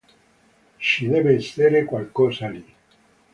Ci deve essere qualcosa lì.